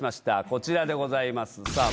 こちらでございますさあ